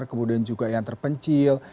kemudian juga yang terpencil